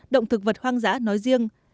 động thực vật hoang dã nói riêng